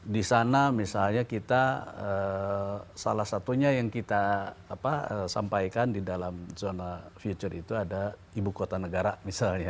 di sana misalnya kita salah satunya yang kita sampaikan di dalam zona future itu ada ibu kota negara misalnya